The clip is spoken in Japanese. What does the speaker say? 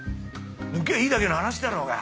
抜きゃいいだけの話だろうが！